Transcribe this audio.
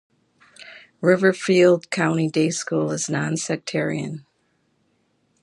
Riverfield Country Day School is non-sectarian.